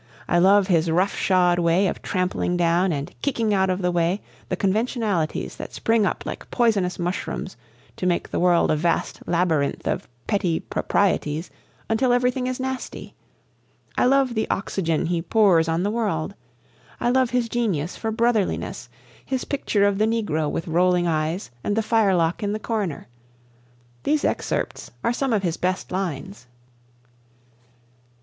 I love his rough shod way of trampling down and kicking out of the way the conventionalities that spring up like poisonous mushrooms to make the world a vast labyrinth of petty "proprieties" until everything is nasty. I love the oxygen he pours on the world. I love his genius for brotherliness, his picture of the Negro with rolling eyes and the firelock in the corner. These excerpts are some of his best lines.